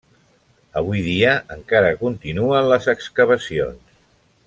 Avui dia encara continuen les excavacions.